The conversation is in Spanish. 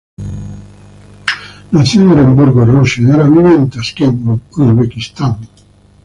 Nació en Oremburgo, Rusia y ahora vive en Taskent, Uzbekistán.